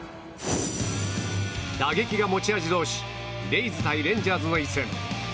打撃が持ち味同士レイズ対レンジャーズの一戦。